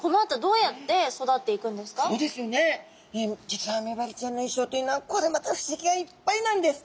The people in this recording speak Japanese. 実はメバルちゃんの一生っていうのはこれまた不思議がいっぱいなんです。